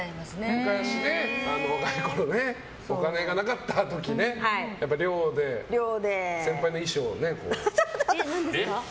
昔、若いころお金がなかった時寮で先輩の衣装を。